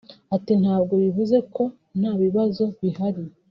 Ati “Ntabwo bivuze ko nta bibazo bihari